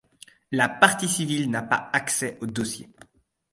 La partie civile n'a pas accès au dossier.